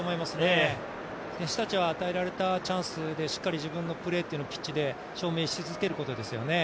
選手たちは与えられたチャンスでしっかり自分たちのプレーをピッチで証明し続けることですよね。